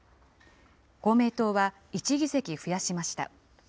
公明党は１議席増やしました。